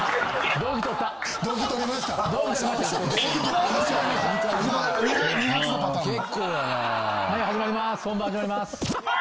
本番始まります。